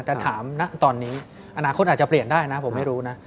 แต่ถามนะตอนนี้อนาคตอาจจะเปลี่ยนได้นะผมไม่รู้นะ